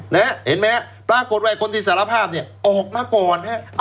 เนี่ยเห็นไหมปรากฏว่าคนที่สารภาพเนี่ยออกมาก่อนแหละ